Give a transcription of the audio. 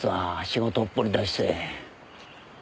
仕事ほっぽり出して。